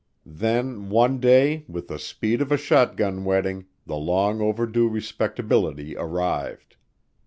Then one day with the speed of a shotgun wedding, the long overdue respectability arrived.